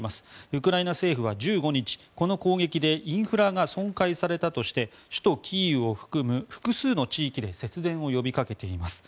ウクライナ政府は１５日この攻撃でインフラが損壊されたとして首都キーウを含む複数の地域で節電を呼びかけています。